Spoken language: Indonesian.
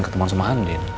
ketemu sama andin